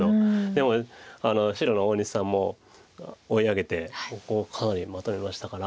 でも白の大西さんも追い上げてここをかなりまとめましたから。